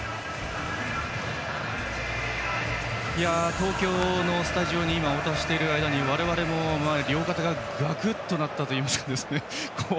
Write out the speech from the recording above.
東京のスタジオにお渡ししている間に我々も、両肩がガクッとなったというか。